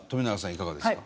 いかがですか？